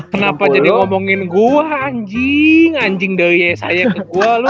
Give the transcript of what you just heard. kenapa jadi ngomongin gua anjing anjing dari yesaya ke gua lu